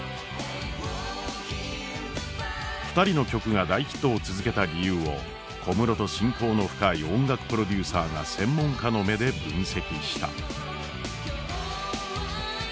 ２人の曲が大ヒットを続けた理由を小室と親交の深い音楽プロデューサーが専門家の目で分析した。